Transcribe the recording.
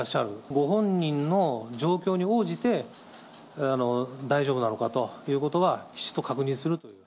ご本人の状況に応じて大丈夫なのかということは、きちっと確認するという。